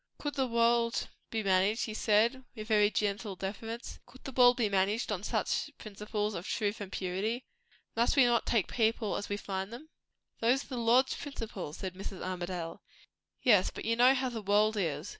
"Could the world be managed," he said, with very gentle deference; "could the world be managed on such principles of truth and purity? Must we not take people as we find them?" "Those are the Lord's principles," said Mrs. Armadale. "Yes, but you know how the world is.